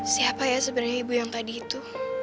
siapa ya sebenarnya ibu yang tadi itu